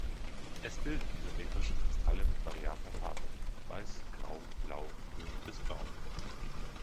Es bildet isometrische Kristalle mit variabler Farbe: weiß, grau, blau, grün bis braun.